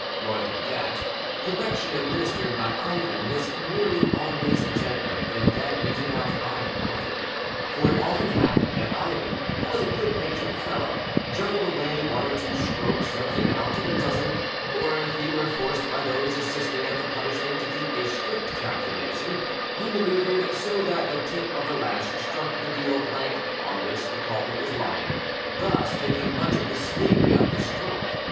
More than that, correction administered by Ivan was nearly always gentler than that meted out by another; for it often happened that Ivan, who was a good natured fellow, juggled away one or two strokes of the knout in a dozen, or if he were forced by those assisting at the punishment to keep a strict calculation, he manoeuvred so that the tip of the lash struck the deal plank on which the culprit was lying, thus taking much of the sting out of the stroke.